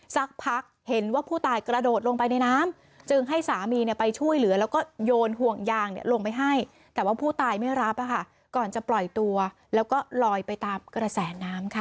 สักพักเห็นว่าผู้ตายกระโดดลงไปในน้ำจึงให้สามีไปช่วยเหลือแล้วก็โยนห่วงยางลงไปให้แต่ว่าผู้ตายไม่รับก่อนจะปล่อยตัวแล้วก็ลอยไปตามกระแสน้ำค่ะ